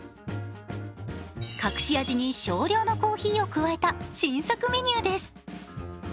隠し味に少量のコーヒーを加えた新作メニューです。